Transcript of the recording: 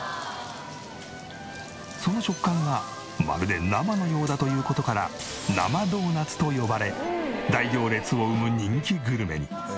その食感がまるで生のようだという事から生ドーナツと呼ばれ大行列を生む人気グルメに。